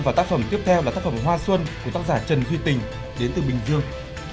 và tác phẩm tiếp theo là tác phẩm hoa xuân của tác giả trần duy tình đến từ bình dương